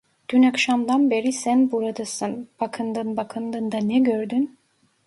Dün akşamdan beri sen buradasın, bakındın bakındın da ne gördün?